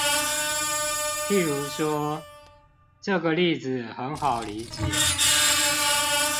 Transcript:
譬如說，這個例子很好理解